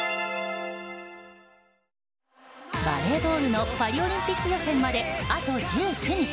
バレーボールのパリオリンピック予選まであと１９日。